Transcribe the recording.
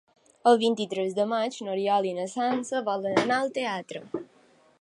El vint-i-tres de maig n'Oriol i na Sança volen anar al teatre.